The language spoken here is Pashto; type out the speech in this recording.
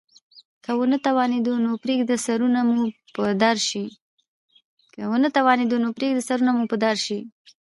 که ونه توانیدو نو پریږده سرونه مو په دار شي.